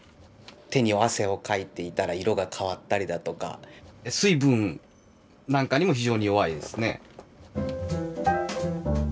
手に汗をかいていたら色が変わったりだとか水分なんかにも非常に弱いですね。